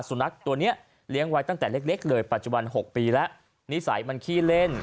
สุนัขตัวนี้เลี้ยงไว้ตั้งแต่เล็กเลยปัจจุบัน๖ปีแล้วนิสัยมันขี้เล่น